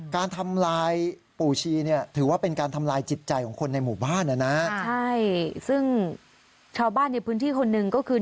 การทำลายปู่ชีเนี่ยถือว่าเป็นการทำลายจิตใจของคนในหมู่บ้านนะนะใช่ซึ่งชาวบ้านในพื้นที่คนหนึ่งก็คือ